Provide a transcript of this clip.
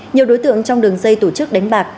nhiều đối tượng trong đường dây tổ chức đánh bạc